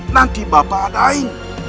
nanti bapak adain